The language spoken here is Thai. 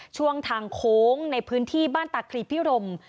ช่วงทางโค้งในพื้นที่บ้านตาคลีพิรม